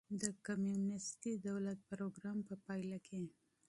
د کمونېستي دولت پروګرام په پایله کې.